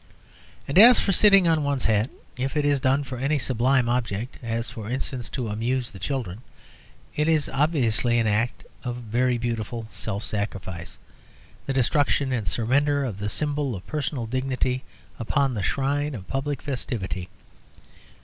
And as for sitting on one's hat, if it is done for any sublime object (as, for instance, to amuse the children), it is obviously an act of very beautiful self sacrifice, the destruction and surrender of the symbol of personal dignity upon the shrine of public festivity.